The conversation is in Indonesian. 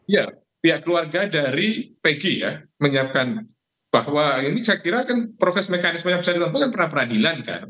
ya pihak keluarga dari pg ya menyiapkan bahwa ini saya kira kan proses mekanisme yang bisa dilakukan peradilan kan